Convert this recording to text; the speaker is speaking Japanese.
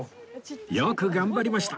よく頑張りました。